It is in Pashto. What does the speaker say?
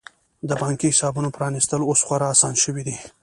د بانکي حسابونو پرانیستل اوس خورا اسانه شوي دي.